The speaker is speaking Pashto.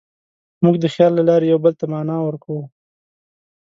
موږ د خیال له لارې یوه بل ته معنی ورکوو.